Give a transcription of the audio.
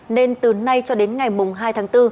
nên từ nay cho đến ngày hai tháng bốn